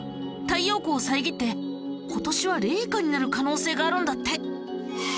太陽光を遮って今年は冷夏になる可能性があるんだって。